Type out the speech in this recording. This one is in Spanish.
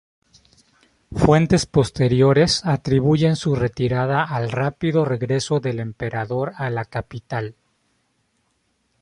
Fuentes posteriores atribuyen su retirada al rápido regreso del emperador a la capital.